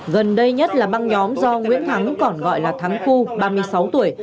gần đây nhất là băng nhóm do nguyễn thắng còn gọi là thắng phu ba mươi sáu tuổi